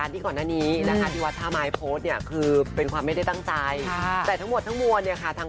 ที่เรารอคอยกันมาเกือบหนึ่งเดือน